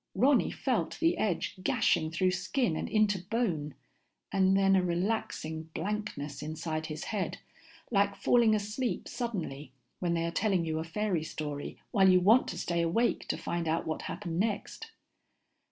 Ronny felt the edge gashing through skin and into bone, and then a relaxing blankness inside his head, like falling asleep suddenly when they are telling you a fairy story while you want to stay awake to find out what happened next.